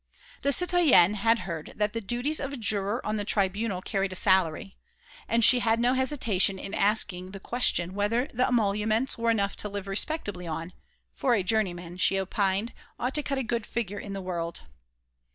The citoyenne had heard say that the duties of a juror of the Tribunal carried a salary; and she had no hesitation in asking the question whether the emoluments were enough to live respectably on, for a juryman, she opined, ought to cut a good figure in the world.